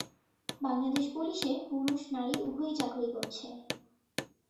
বাংলাদেশ পুলিশে পুরুষ-নারী উভয়ই চাকুরী করছে।